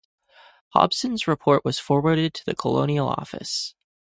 Hobson's report was forwarded to the Colonial Office.